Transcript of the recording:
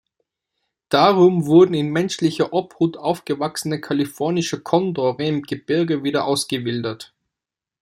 Darum wurden in menschlicher Obhut aufgewachsene Kalifornische Kondore im Gebirge wieder ausgewildert.